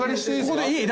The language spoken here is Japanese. ここでいい？